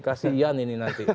kasian ini nanti